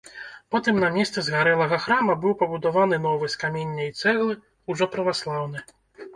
Потым на месцы згарэлага храма быў пабудаваны новы з камення і цэглы, ужо праваслаўны.